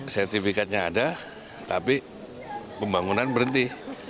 sertifikatnya ada tapi pembangunan berhenti